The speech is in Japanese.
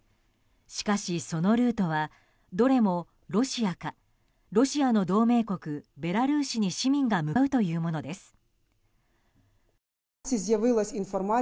しかし、そのルートはどれもロシアかロシアの同盟国ベラルーシに市民が向かうというものです。